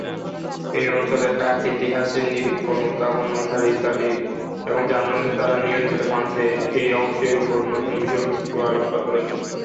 এই অঞ্চলের ডাক ইতিহাসের নিরক্ষণ/উদ্ভাবন অনুসারে ইতালির এবং জার্মানদের দ্বারা নিয়ন্ত্রিত ফ্রান্সের এই অংশের উপরে নতুন বিষয়বস্তু আলোকপাত করেছে।